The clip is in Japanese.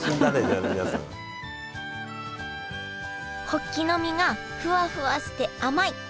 ホッキの身がフワフワして甘い。